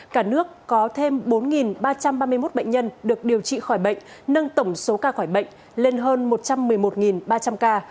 cả nước có thêm bốn ba trăm ba mươi một bệnh nhân được điều trị khỏi bệnh nâng tổng số ca khỏi bệnh lên hơn một trăm một mươi một ba trăm linh ca